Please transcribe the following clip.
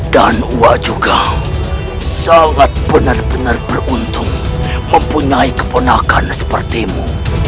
dan saya juga sangat benar benar beruntung mempunyai keponakan sepertimu